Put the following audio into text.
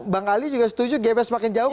bang ali juga setuju gamenya semakin jauh